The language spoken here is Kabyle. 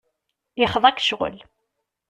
Yexḍa-k ccɣel.